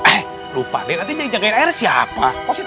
eh lupa deh nanti jagain air siapa